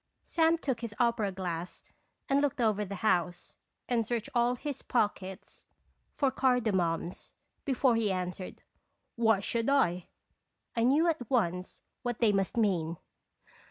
Sam took his opera glass and looked over the house, and searched all his pockets for 236 "(El)* Seronb OTarfr ttlins." cardamoms, before he answered, "Why should I ?" I knew at once what they must mean.